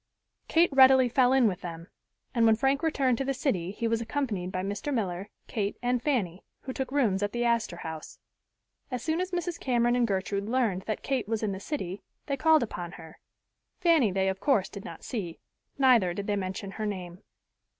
Kate readily fell in with them and when Frank returned to the city he was accompanied by Mr. Miller, Kate and Fanny, who took rooms at the Astor House. As soon as Mrs. Cameron and Gertrude learned that Kate was in the city, they called upon her. Fanny they of course did not see, neither did they mention her name.